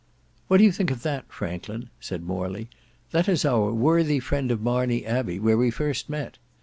"What do you think of that, Franklin?" said Morley. "That is our worthy friend of Marney Abbey, where we first met.